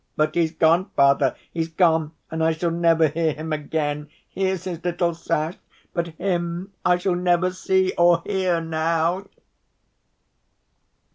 But he's gone, Father, he's gone, and I shall never hear him again. Here's his little sash, but him I shall never see or hear now."